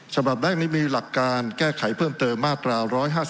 ฉบับแรกนี้มีหลักการแก้ไขเพิ่มเติมมาตรา๑๕๒